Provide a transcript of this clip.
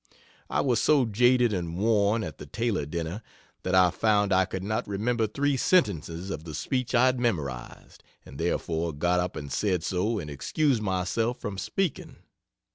I was so jaded and worn, at the Taylor dinner, that I found I could not remember 3 sentences of the speech I had memorized, and therefore got up and said so and excused myself from speaking.